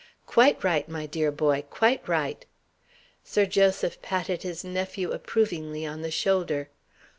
"Quite right, my dear boy, quite right." Sir Joseph patted his nephew approvingly on the shoulder.